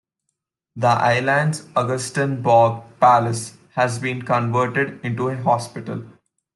The island's Augustenborg Palace has been converted into a hospital.